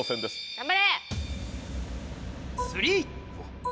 頑張れ！